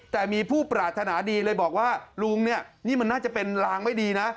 แต่มีผู้ปรารถนาดีเลยบอกว่าลุงเนี่ยนี่มันน่าจะเป็นรางไม่ดีนะ